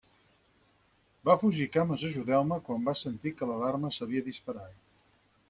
Va fugir cames ajudeu-me, quan va sentir que l'alarma s'havia disparat.